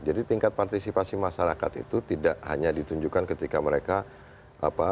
jadi tingkat partisipasi masyarakat itu tidak hanya ditunjukkan ketika mereka